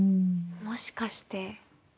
もしかして。